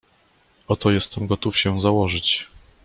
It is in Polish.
"O to jestem gotów się założyć."